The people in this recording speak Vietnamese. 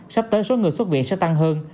sắp tới số người xuất viện sẽ tăng hơn